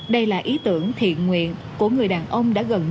đây là ý tưởng thiện nguyện của người đàn ông đã gần năm mươi tuổi